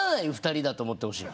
２人だと思ってほしい。